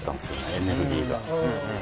エネルギーが。